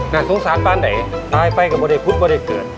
น่าทรงสารบ้านไหนตายไปกับบัวได้พุทธบัวได้เกิด